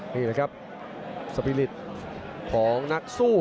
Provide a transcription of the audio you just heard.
นี้เลยครับสปีลิฑต์ของนักสู้